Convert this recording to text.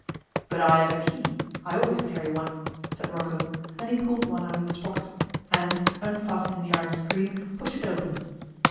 'But I have a key. I always carry one,' said Rocco, and he pulled one out of his pocket, and, unfastening the iron screen, pushed it open.